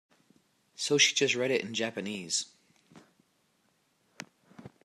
So she just read it in Japanese.